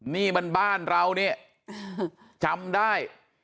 นี่มันบ้านเรานี่จำได้